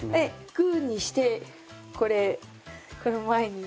グーにしてこれこの前にやって。